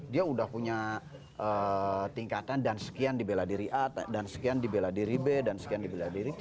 dia sudah punya tingkatan dan sekian di bela diri a dan sekian di bela diri b dan sekian di bela diri